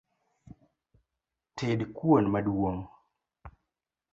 Ted kuon maduong’